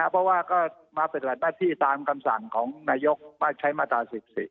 เพราะว่าก็มาปฏิบัติหน้าที่ตามคำสั่งของนายกว่าใช้มาตรา๑๔